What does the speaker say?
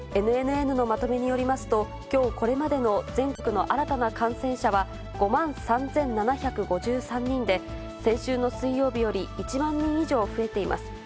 ＮＮＮのまとめによりますと、きょうこれまでの全国の新たな感染者は、５万３７５３人で、先週の水曜日より１万人以上増えています。